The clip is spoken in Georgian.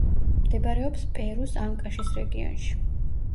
მდებარეობს პერუს ანკაშის რეგიონში.